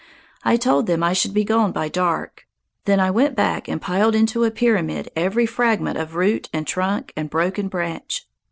I told them I should be gone by dark. Then I went back and piled into a pyramid every fragment of root and trunk and broken branch.